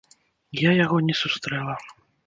Я яго не сустрэла.